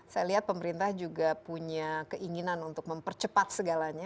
saya lihat pemerintah juga punya keinginan untuk mempercepat segalanya